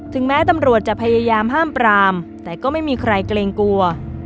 แม้ตำรวจจะพยายามห้ามปรามแต่ก็ไม่มีใครเกรงกลัว